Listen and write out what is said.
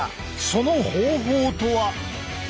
その方法とは。